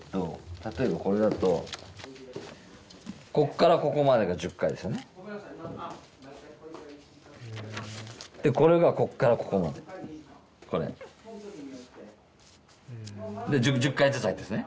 例えばこれだとこっからここまでが１０回ですよねでこれがこっからここまでこれで１０回ずつ入ってるんですね